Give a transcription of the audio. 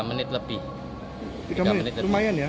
tiga menit lebih lumayan ya